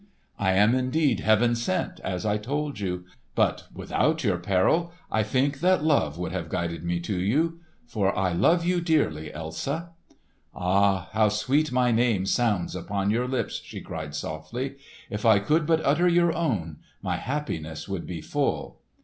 "I am indeed Heaven sent, as I told you. But without your peril, I think that Love would have guided me to you. For I love you dearly, Elsa!" "Ah, how sweet my name sounds upon your lips!" she cried softly. "If I could but utter your own, my happiness would be full."